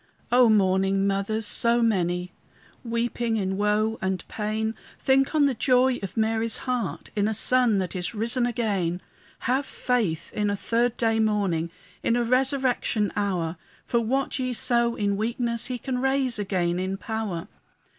O mourning mothers, so many, Weeping in woe and pain, Think on the joy of Mary's heart In a Son that is risen again. Have faith in a third day morning, In a resurrection hour; For what ye sow in weakness, He can raise again in power.